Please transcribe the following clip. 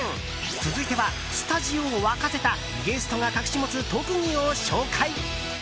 続いては、スタジオを沸かせたゲストが隠し持つ特技を紹介。